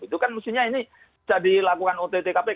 itu kan maksudnya ini jadi lakukan ott kpk